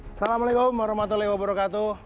assalamualaikum warahmatullahi wabarakatuh